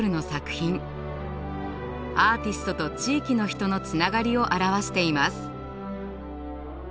アーティストと地域の人のつながりを表しています。